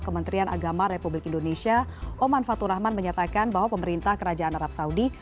kementerian agama republik indonesia oman fatur rahman menyatakan bahwa pemerintah kerajaan arab saudi